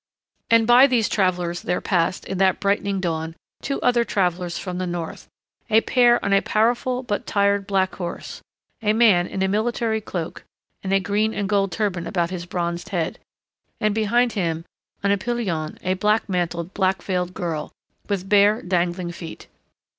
And by these travelers there passed in that brightening dawn two other travelers from the north, a pair on a powerful but tired black horse, a man in a military cloak and a green and gold turban about his bronzed head, and behind him, on a pillion, a black mantled, black veiled girl, with bare, dangling feet.